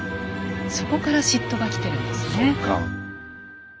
そこから嫉妬がきてるんですね。